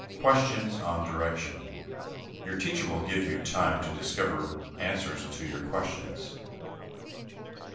QUESTIONS ON DIRECTION. Your teacher will give you time to discover answers to these questions.